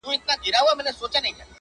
شپه تیاره وه ژر نیهام ځانته تنها سو،